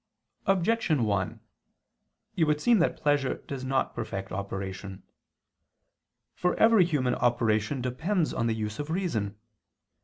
Objection 1: It would seem that pleasure does not perfect operation. For every human operation depends on the use of reason.